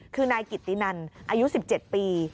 คือนายกิตตินันอายุ๑๗ปี